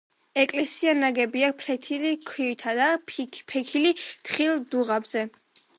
ეკლესია ნაგებია ფლეთილი ქვით და ფიქალით თხელ დუღაბზე.